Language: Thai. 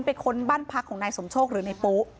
ค้นบ้านพักของนายสมโชคหรือในปุ๊